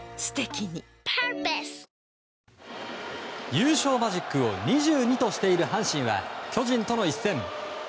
優勝マジックを２２としている阪神は巨人との一戦。